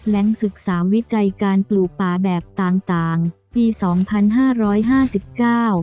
ศึกษาวิจัยการปลูกป่าแบบต่างต่างปีสองพันห้าร้อยห้าสิบเก้า